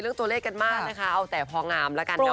เรื่องตัวเลขกันมากนะคะเอาแต่พอหงามละกันเนอะ